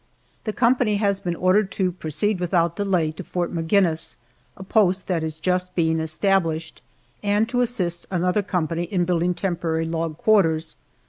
THE company has been ordered to "proceed without delay" to Fort Maginnis, a post that is just being established, and to assist another company in building temporary log quarters.